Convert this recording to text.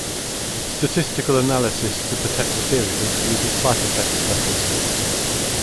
Statistical analysis to detect the period uses ciphertext letters.